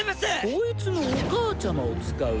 こいつのお母ちゃまを使う。